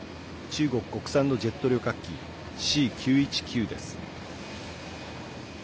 中国国産のジェット旅客機Ｃ９１９です。